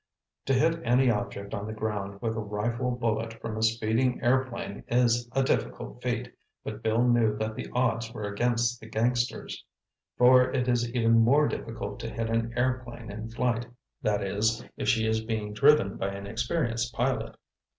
To hit an object on the ground with a rifle bullet from a speeding airplane is a difficult feat, but Bill knew that the odds were against the gangsters. For it is even more difficult to hit an airplane in flight, that is, if she is being driven by an experienced pilot.